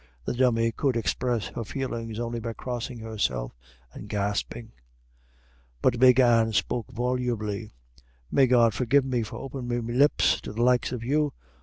The Dummy could express her feelings only by crossing herself and gasping; but Big Anne spoke volubly: "May God forgive me for openin' me lips to the likes of you.